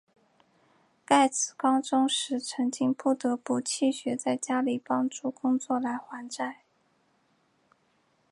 盖茨高中时曾经不得不弃学在家里帮助工作来还债。